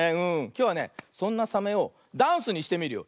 きょうはねそんなサメをダンスにしてみるよ。